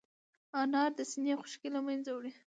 انار د سينې خشکي له منځه وړي.